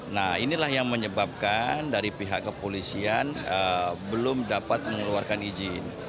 nah inilah yang menyebabkan dari pihak kepolisian belum dapat mengeluarkan izin